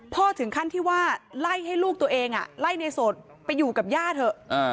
ถึงขั้นที่ว่าไล่ให้ลูกตัวเองไล่ในโสดไปอยู่กับย่าเถอะ